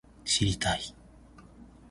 知りたい